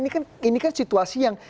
ini kan situasi yang